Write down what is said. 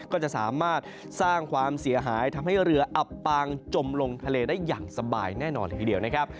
ก็จะสามารถสร้างความเสียหายทำให้เรืออับปางจมลงทะเลได้อย่างสบายแน่นอนเลยทีเดียวนะครับ